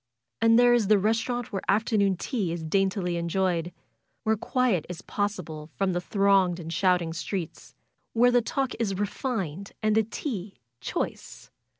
And there is the restaurant where afternoon tea is daintily enjoyed; where quiet is possible from the thronged and shouting streets, and where the talk is refined and the tea choice.